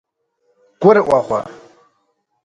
ГурыӀуэгъуэ?